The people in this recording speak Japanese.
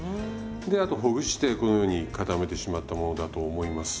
であとほぐしてこのように固めてしまったものだと思います。